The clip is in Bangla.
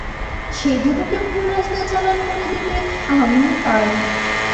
সে দুটোকে ভুল রাস্তায় চালান করে দিতে আমিই পারব।